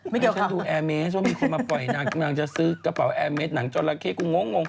ให้ฉันดูแอร์เมสว่ามีคนมาปล่อยนางจะซื้อกระเป๋าแอร์เมสนางจอดรักเคกกูโง่